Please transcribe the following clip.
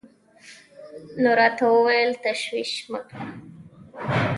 نو راته وويل تشويش مه کړه.